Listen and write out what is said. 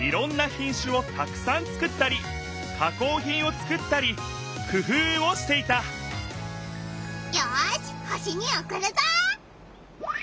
しゅをたくさんつくったりかこうひんをつくったりくふうをしていたよし星におくるぞ！